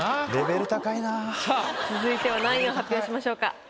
続いては何位を発表しましょうか？